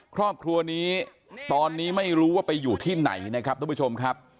ครอบครัวนี้ตอนนี้ไม่รู้ว่าไปอยู่ที่ไหนนะครับทุกผู้ชมครับ